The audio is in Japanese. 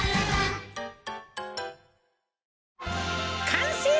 かんせい！